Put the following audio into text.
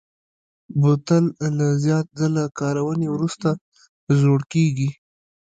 بوتل له زیات ځله کارونې وروسته زوړ کېږي.